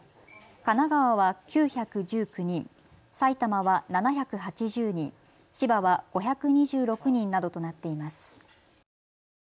神奈川は９１９人、埼玉は７８０人、千葉は５２６人などとなっています。